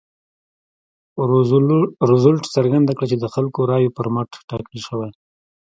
روزولټ څرګنده کړه چې د خلکو رایو پر مټ ټاکل شوی.